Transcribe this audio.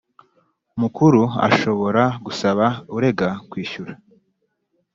Mukuru ashobora gusaba urega kwishyura